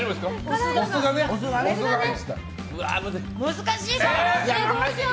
難しい！